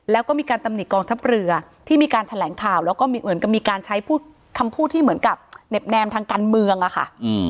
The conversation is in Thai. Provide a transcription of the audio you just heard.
แล้วก็มีการตำหนิกกองทัพเรือที่ทั้งแถลงข่าวแล้วก็มีการใช้คำพูดเหมือนกับเน็บแนมท่างกันเมืองอะค่ะ